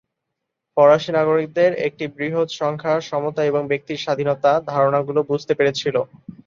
ফরাসি নাগরিকদের একটি বৃহৎ সংখ্যা "সমতা" এবং "ব্যক্তির স্বাধীনতা" ধারণাগুলো বুঝতে পেরেছিল।